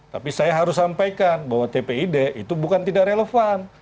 tapi saya harus sampaikan bahwa tpid itu bukan tidak relevan